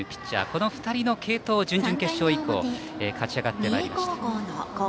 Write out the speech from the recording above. この２人の継投で準々決勝以降勝ち上がってまいりました。